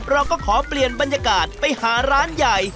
เราก็ขอเปลี่ยนบรรยากาศไปหาร้านใหญ่